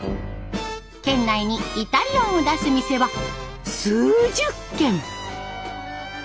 県内にイタリアンを出す店は数十軒。